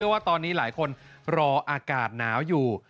ว่าตอนนี้หลายคนรออากาศหนาวอยู่